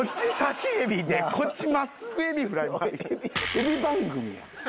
エビ番組やん。